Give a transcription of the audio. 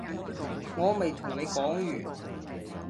我未同你講完